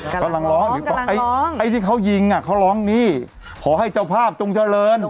กำลังร้องหรือไอ้ที่เขายิงอ่ะเขาร้องหนี้ขอให้เจ้าภาพจงเจริญ